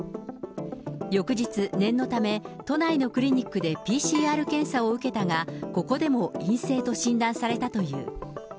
翌日、念のため都内のクリニックでＰＣＲ検査を受けたが、ここでも陰性と診断されたという。